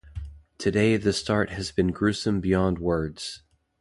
Today the start had been gruesome beyond words.